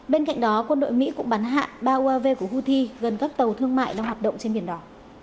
bên cạnh đó quân đội mỹ cũng bắn hạ ba uav của houthi gần các tàu thương mại đang hoạt động trên biển đỏ